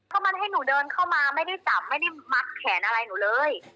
ก็มันให้หนูเดินเข้ามาไม่ได้จับไม่ได้มัดแขนอะไรหนูเลย